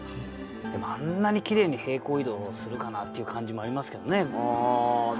でもあんなに奇麗に平行移動するかなっていう感じもありますけどね。